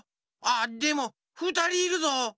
あでもふたりいるぞ。